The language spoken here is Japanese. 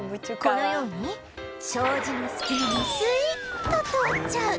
このように障子の隙間もスイッと通っちゃう